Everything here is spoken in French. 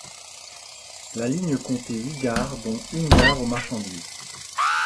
La ligne comptait huit gares, dont une gare aux marchandises.